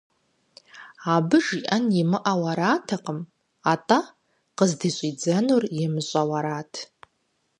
Абы жиӀэн имыӀэу аратэкъым, атӀэ къыздыщӀидзэнур имыщӀэу арат.